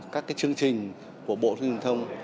các chương trình của bộ thông tin thông